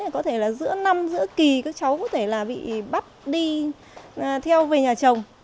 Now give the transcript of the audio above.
có thể là giữa năm giữa kỳ các cháu có thể là bị bắt đi theo về nhà chồng